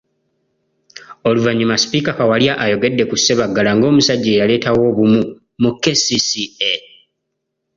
Oluvannyuma Sipiika Kawalya ayogedde ku Sebaggala ng'omusajja eyaleetawo obumu mu KCCA.